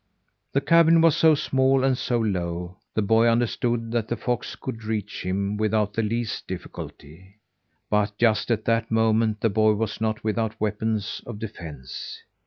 The cabin was so small, and so low, the boy understood that the fox could reach him without the least difficulty. But just at that moment the boy was not without weapons of defence.